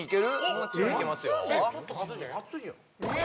もちろんいけますよ